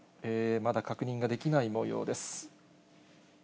まだ確認ができないもようです。